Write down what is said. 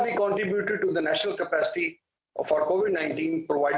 secara keseluruhan kami memberikan kapasitas nasional untuk covid sembilan belas